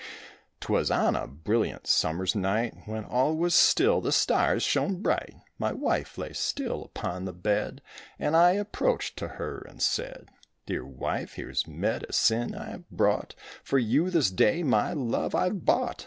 'Twas on a brilliant summer's night When all was still; the stars shone bright. My wife lay still upon the bed And I approached to her and said: "Dear wife, here's medicine I've brought, For you this day, my love, I've bought.